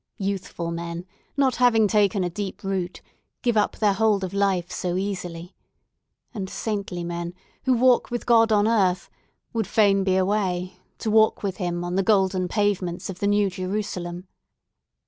Youthful men, not having taken a deep root, give up their hold of life so easily! And saintly men, who walk with God on earth, would fain be away, to walk with him on the golden pavements of the New Jerusalem."